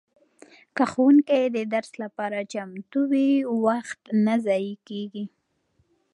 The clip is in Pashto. که ښوونکی د درس لپاره چمتو وي وخت نه ضایع کیږي.